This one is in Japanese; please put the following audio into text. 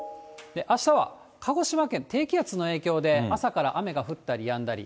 あしたは鹿児島県、低気圧の影響で、朝から雨が降ったりやんだり。